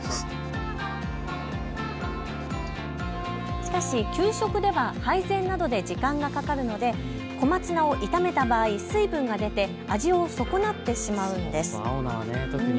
しかし給食では配膳などで時間がかかるので小松菜を炒めた場合、水分が出て味を損なってしまうんです。